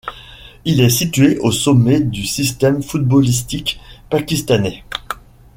Il est situé au sommet du système footballistique pakistanais.